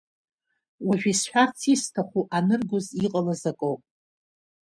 Уажәы исҳәарц исҭаху аныргоз иҟалаз акоуп.